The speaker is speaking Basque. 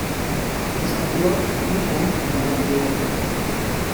Estatu hau, bitan banaturik dago.